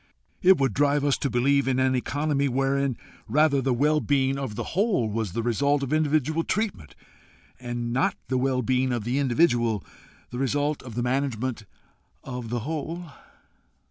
It would drive us to believe in an economy wherein rather the well being of the whole was the result of individual treatment, and not the well being of the individual the result of the management of the whole?"